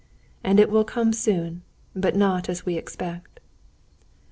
And it will come soon, but not as we expect."